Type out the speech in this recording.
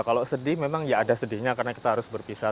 kalau sedih memang ya ada sedihnya karena kita harus berpisah